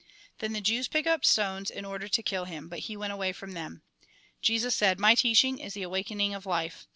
Then the Jews picked up stones in order to kill him, but he went away from them. Jesus said :" My teaching is the awakening of life.